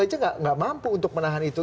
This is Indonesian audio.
aja nggak mampu untuk menahan itu